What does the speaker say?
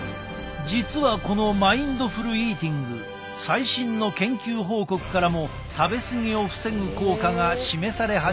実はこのマインドフル・イーティング最新の研究報告からも食べ過ぎを防ぐ効果が示され始めている。